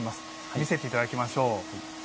見せていただきましょう。